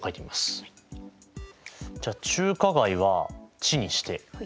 じゃあ中華街は「ち」にして。